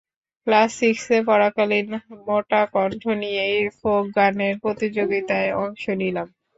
Class সিক্সে পড়াকালীন মোটা কণ্ঠ নিয়েই ফোক গানের প্রতিযোগিতায় অংশ নিলাম।